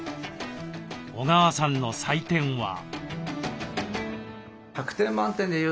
小川さんの採点は。